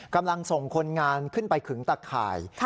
กำลังส่งคนงานขึ้นไปขึงตะข่าย